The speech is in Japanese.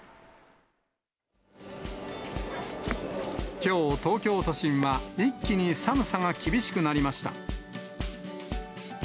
きょう、東京都心は一気に寒さが厳しくなりました。